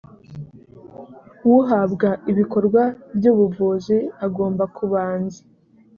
uhabwa ibikorwa by ubuvuzi agomba kubanza